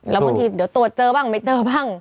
แล้วบางทีเดี๋ยวตรวจเจอบ้างไม่เจอบ้าง